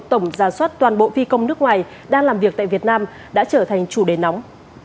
tổng giả soát toàn bộ phi công nước ngoài đang làm việc tại việt nam đã trở thành chủ đề nóng